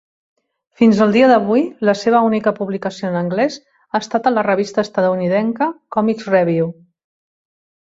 Fins al dia d'avui, la seva única publicació en anglès ha estat a la revista estatunidenca 'Comics Revue'.